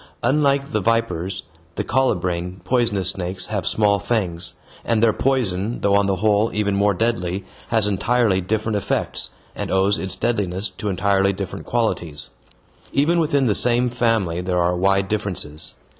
Unlike the vipers, the colubrine poisonous snakes have small fangs, and their poison, though on the whole even more deadly, has entirely different effects, and owes its deadliness to entirely different qualities. Even within the same family there are wide differences.